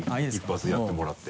一発やってもらって。